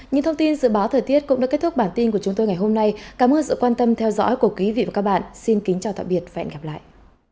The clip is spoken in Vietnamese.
những thông tin dự báo thời tiết cũng đã kết thúc bản tin của chúng tôi ngày hôm nay cảm ơn sự quan tâm theo dõi của quý vị và các bạn xin kính chào tạm biệt và hẹn gặp lại